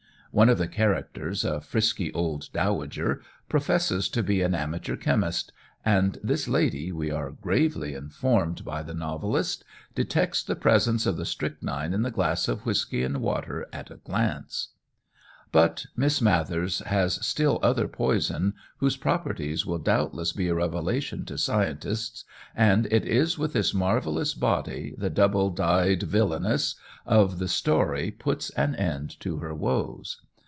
One of the characters, a frisky old dowager, professes to be an amateur chemist, and this lady, we are gravely informed by the novelist, "detects the presence of the strychnine in the glass of whisky and water at a glance." But Miss Mathers has still another poison, whose properties will doubtless be a revelation to scientists, and it is with this marvellous body the "double dyed villainess" of the story puts an end to her woes.